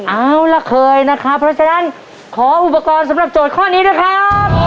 เอาล่ะเคยนะครับเพราะฉะนั้นขออุปกรณ์สำหรับโจทย์ข้อนี้ด้วยครับ